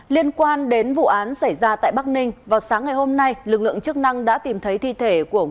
liên quan đến vụ án xảy ra tại bắc ninh vào sáng ngày hôm nay lực lượng chức năng đã tìm thấy thi thể của bộ trưởng của bắc ninh